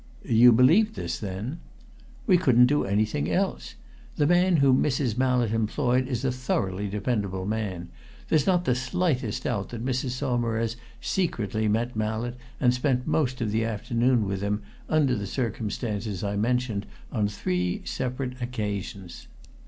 "You believed this, then?" "We couldn't do anything else! The man whom Mrs. Mallett employed is a thoroughly dependable man. There's not the slightest doubt that Mrs. Saumarez secretly met Mallett and spent most of the afternoon with him, under the circumstances I mentioned, on three separate occasions."